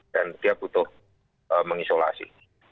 dan dia butuh mengisolasi